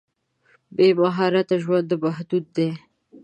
بې مهارت ژوند محدود دی.